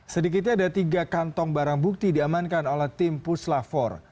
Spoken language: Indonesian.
sedikitnya ada tiga kantong barang bukti diamankan oleh tim puslapor